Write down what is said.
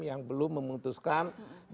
yang belum memutuskan